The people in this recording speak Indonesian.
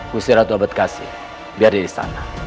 gusti ratu ambat kasi biar diri sana